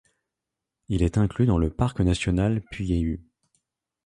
Il est inclus dans le parc national Puyehue.